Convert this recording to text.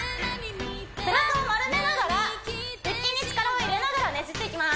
背中を丸めながら腹筋に力を入れながらねじっていきます